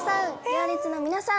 『行列』の皆さん。